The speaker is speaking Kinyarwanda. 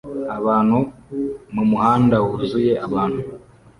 Abantu mumuhanda wuzuye abantu